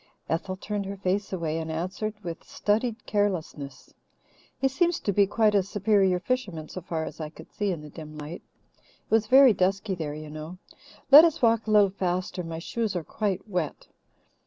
Ethel turned her face away and answered with studied carelessness. "He seems to be quite a superior fisherman so far as I could see in the dim light. It was very dusky there, you know. Let us walk a little faster. My shoes are quite wet."